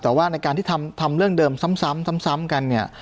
แต่ว่าในการที่ทำเรื่องเดิมซ้ำกันเนี่ย